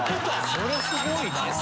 それすごいなあ。